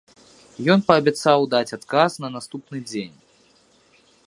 Ён паабяцаў даць адказ на наступны дзень.